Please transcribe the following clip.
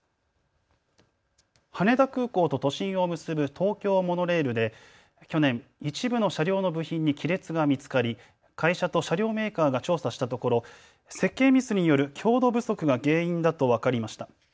羽田空港と都心を結ぶ東京モノレールで去年、一部の車両の部品に亀裂が見つかり会社と車両メーカーが調査したところ設計ミスによる強度不足が原因だと分かりました。